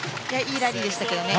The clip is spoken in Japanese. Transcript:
いいラリーでしたけどね。